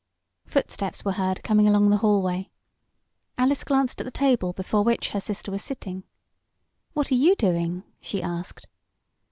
Footsteps were heard coming along the hallway. Alice glanced at the table before which her sister was sitting. "What are you doing?" she asked.